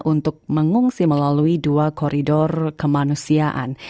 untuk mengungsi melalui dua koridor kemanusiaan